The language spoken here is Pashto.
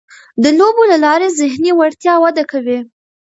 د لوبو له لارې ذهني وړتیاوې وده کوي.